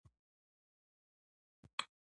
په پانګوالو ټولنو کې د وسایلو ویش عادلانه نه دی.